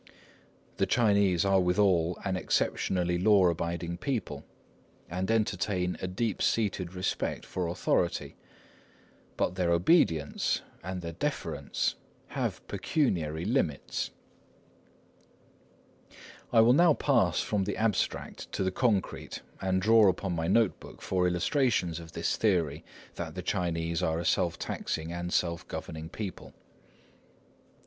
The Chinese are withal an exceptionally law abiding people, and entertain a deep seated respect for authority. But their obedience and their deference have pecuniary limits. I will now pass from the abstract to the concrete, and draw upon my note book for illustrations of this theory that the Chinese are a self taxing and self governing people.